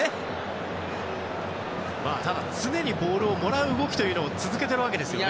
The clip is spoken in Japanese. ただ、常にボールをもらう動きというのは続けているわけですよね。